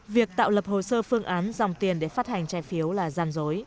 việc tạo lập hồ sơ phương án dòng tiền để phát hành trái phiếu là gian dối